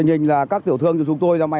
nhưng không khí mua bán